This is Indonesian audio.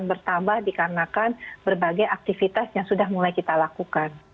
dan bertambah dikarenakan berbagai aktivitas yang sudah mulai kita lakukan